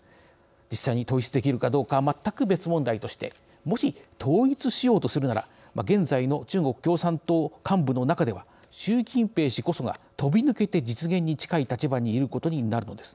実際に統一できるかどうかは全く別問題としてもし統一しようとするなら現在の中国共産党幹部の中では習近平氏こそが飛びぬけて実現に近い立場にいることになるのです。